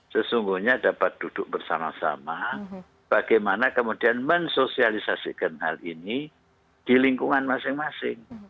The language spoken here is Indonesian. sesungguhnya dapat duduk bersama sama bagaimana kemudian mensosialisasikan hal ini di lingkungan masing masing